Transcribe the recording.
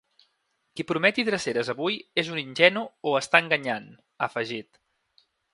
Qui prometi dreceres avui és un ingenu o està enganyant, ha afegit.